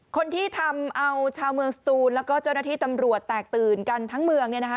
คนที่ทำเอาชาวเมืองสตูนแล้วก็เจ้าหน้าที่ตำรวจแตกตื่นกันทั้งเมือง